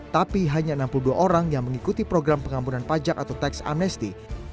tapi hanya enam puluh dua orang yang mengikuti program pengampunan pajak atau tax amnesti